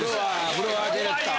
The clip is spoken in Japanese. フロアディレクター。